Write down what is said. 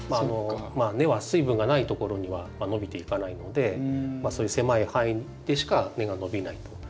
根は水分がないところには伸びていかないのでそういう狭い範囲でしか根が伸びないと。